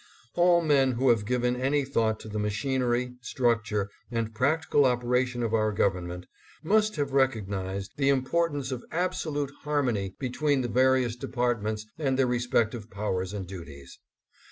All men who have given any thought to the machin ery, structure, and practical operation of our govern ment, must have recognized the importance of absolute harmony between its various departments and their respective powers and duties.